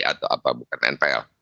atau apa bukan npl